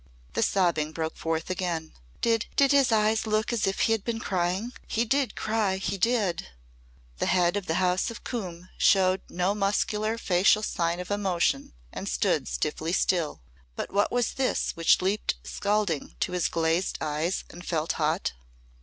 The sobbing broke forth again. "Did did his eyes look as if he had been crying? He did cry he did!" The Head of the House of Coombe showed no muscular facial sign of emotion and stood stiffly still. But what was this which leaped scalding to his glazed eyes and felt hot?